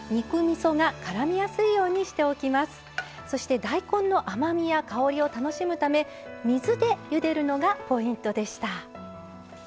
そして大根の甘みや香りを楽しむため水で、ゆでるのがポイントでした。